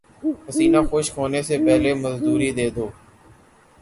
پسینہ خشک ہونے سے پہلے مزدوری دے دو